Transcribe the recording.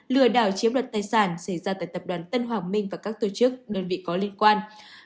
lừa đảo chiếm đoạt tài sản xảy ra tại tập đoàn tân hoàng minh và các tổ chức đơn vị có liên quan